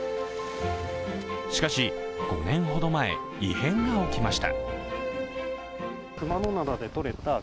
しかし、５年ほど前異変が起きました。